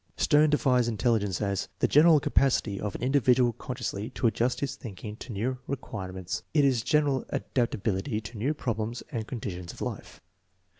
Htertt defines intelligence us 4 * the general capacity of an individual consciously to adjust his thinking to new re quirements: it is general adaptability to new problems and conditions of life."